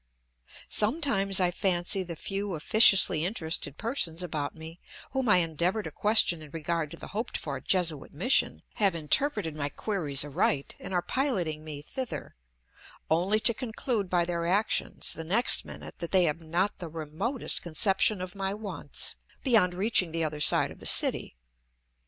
Sometimes I fancy the few officiously interested persons about me, whom I endeavor to question in regard to the hoped for Jesuit mission, have interpreted my queries aright and are piloting me thither; only to conclude by their actions, the next minute, that they have not the remotest conception of my wants, beyond reaching the other side of the city.